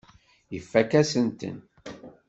Ifakk-asen-ten.